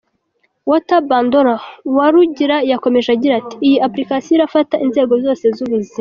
Walter Bandora Uwarugira yakomeje agira ati: "Iyi Application irafata inzego zose z’ubuzima.